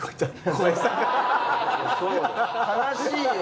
悲しいよ